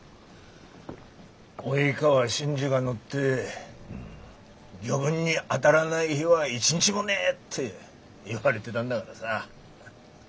「及川新次が乗って魚群に当たらない日は一日もねえ！」って言われてたんだがらさ。